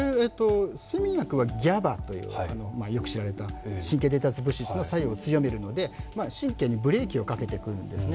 睡眠薬はＧＡＢＡというよく知られた神経伝達物質の作用を強めるので、神経にブレーキをかけていくんですね。